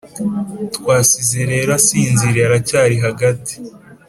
twasize rero asinziriye, aracyari hagati